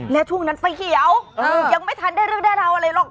และช่วงนั้นไฟเขียวยังไม่ทันได้เรื่องได้ราวอะไรหรอก